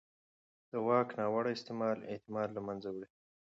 د واک ناوړه استعمال اعتماد له منځه وړي